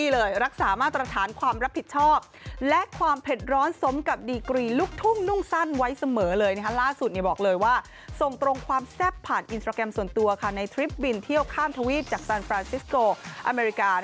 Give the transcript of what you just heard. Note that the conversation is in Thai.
และความแซ่บผ่านอินสตราแกรมส่วนตัวในทริปบินเที่ยวข้ามทะวีทจากสานฟรานซิสโกอเมริกา